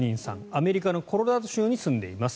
アメリカのコロラド州に住んでいます。